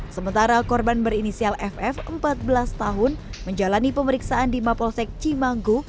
sementara korban berinisial ff empat belas tahun menjalani pemeriksaan di mapolsek cimanggu